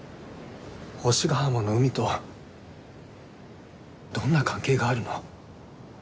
星ヶ浜の海とどんな関係があるの？